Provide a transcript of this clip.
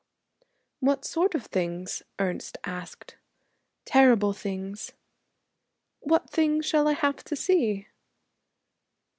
'What sort of things?' Ernest asked. 'Terrible things.' 'What things shall I have to see?'